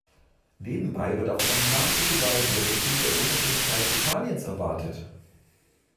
Nebenbei wird auf dramatische Weise der Beginn der Unabhängigkeit Italiens erwartet.